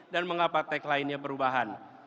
dan mengapa tek lainnya perubahan